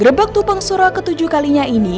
gerebek tumpeng suro ketujuh kalinya ini